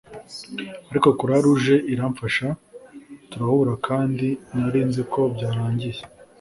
ariko Croix Rouge iramfasha turahura kandi nari nzi ko byarangiye